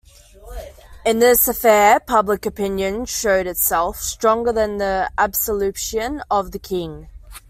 In this affair public opinion showed itself stronger than the absolutism of the king.